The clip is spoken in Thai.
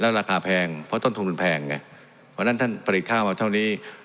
แล้วราคาแพงเพราะต้นทุนแพงไงวันนั้นท่านผลิตค่ามาเท่านี้